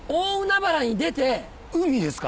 海ですか？